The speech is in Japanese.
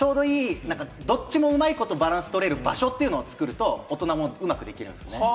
どっちもうまいことバランス取れる場所というのを作ると、大人もうまくできるんです。